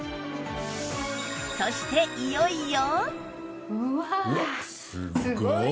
そしていよいよ